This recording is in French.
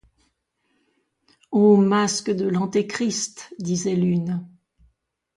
Oh! masque de l’Antéchrist ! disait l’une.